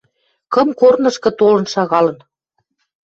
Кым корнышкы толын шагалын.